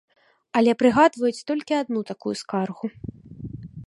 Але прыгадваюць толькі адну такую скаргу.